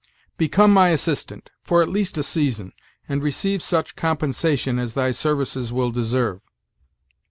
Be come my assistant, for at least a season, and receive such compensation as thy services will deserve."